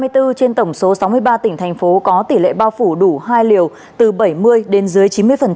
hai mươi bốn trên tổng số sáu mươi ba tỉnh thành phố có tỷ lệ bao phủ đủ hai liều từ bảy mươi đến dưới chín mươi